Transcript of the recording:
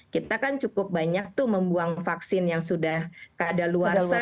kita kan cukup banyak tuh membuang vaksin yang sudah keadaan luar